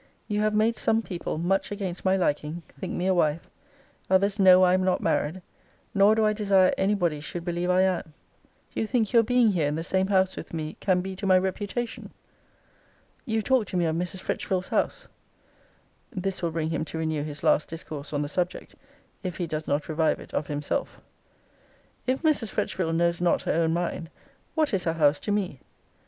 You have made some people, much against my liking, think me a wife: others know I am not married; nor do I desire any body should believe I am: Do you think your being here in the same house with me can be to my reputation? You talked to me of Mrs. Fretchville's house.' This will bring him to renew his last discourse on the subject, if he does not revive it of himlsef. 'If Mrs. Fretchville knows not her own mind, what is her house to me?